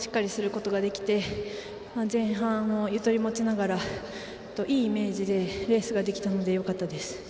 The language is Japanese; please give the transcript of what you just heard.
ことができて前半、ゆとり持ちながらいいイメージでレースができたのでよかったです。